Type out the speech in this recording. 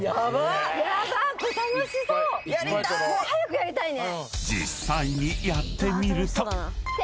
早くやりたいね。